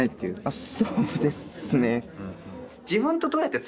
あっそうですね。